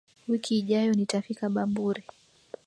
Wiki ijayo nitafika Bamburi